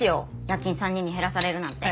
夜勤３人に減らされるなんて。